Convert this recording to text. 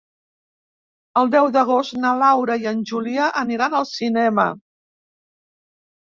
El deu d'agost na Laura i en Julià aniran al cinema.